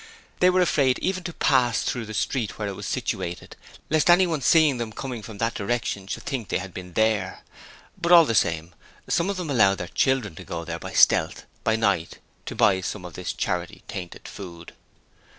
They were afraid even to pass through the street where it was situated lest anyone seeing them coming from that direction should think they had been there. But all the same, some of them allowed their children to go there by stealth, by night, to buy some of this charity tainted food.